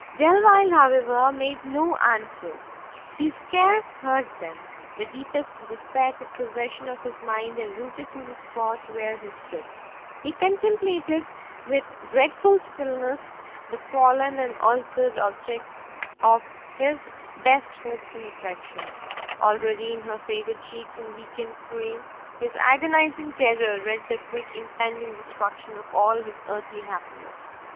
Delvile, however, made no answer; he scarce heard them: the deepest despair took possession of his mind, and, rooted to the spot where he stood, he contemplated iii dreadful stillness the fallen and altered object of his best hopes and affections; already in her faded cheeks and weakened frame, his agonising terror read the quick impending destruction of all his earthly happiness!